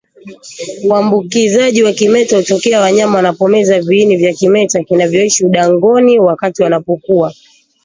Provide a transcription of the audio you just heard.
Uambukizaji wa kimeta hutokea wanyama wanapomeza viini vya kimeta vinavyoishi udongoni wakati wanapokuwa